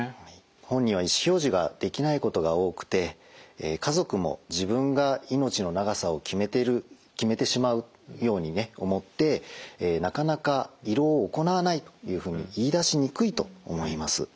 本人は意思表示ができないことが多くて家族も自分が命の長さを決めてしまうように思ってなかなか胃ろうを行わないというふうに言いだしにくいと思います。